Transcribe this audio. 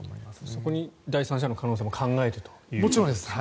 そこに第三者の可能性も考えてということですね。